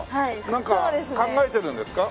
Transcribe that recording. なんか考えてるんですか？